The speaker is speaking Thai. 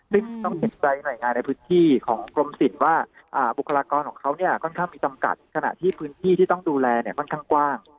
ซึ่งต้องเห็นใจหน่วยงานในพื้นที่ของกรมศิลป์ว่าบุคลากรของเขาเนี่ยค่อนข้างมีจำกัดขณะที่พื้นที่ที่ต้องดูแลเนี่ยค่อนข้างกว้าง